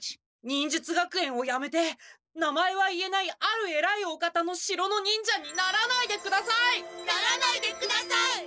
忍術学園をやめて名前は言えないあるえらいお方の城の忍者にならないでください！ならないでください！